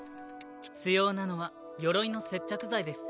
必要なのは鎧の接着剤です。